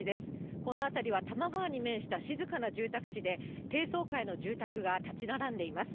この辺りは多摩川に面した静かな住宅地で、低層階の住宅が建ち並んでいます。